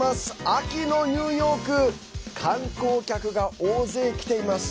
秋のニューヨーク観光客が大勢、来ています。